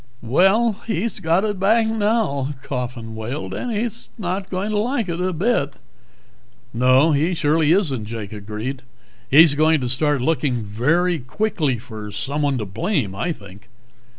"Well, he's got it back again now," Coffin wailed, "and he's not going to like it a bit." "No, he surely isn't," Jake agreed. "He's going to start looking very quickly for someone to blame, I think."